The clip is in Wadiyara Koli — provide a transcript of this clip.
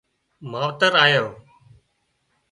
ماوتر آليان